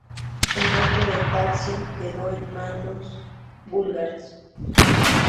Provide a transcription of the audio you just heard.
El norte de Tracia quedó en manos búlgaras.